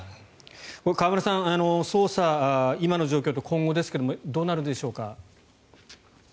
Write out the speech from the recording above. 河村さん、捜査今の状況と今後ですけどどうなるでしょうか。